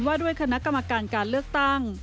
ว่าด้วยคณะกรรมการการเลือกตั้ง